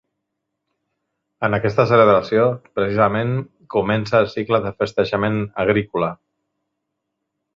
En aquesta celebració, precisament, comença el cicle de festejament agrícola.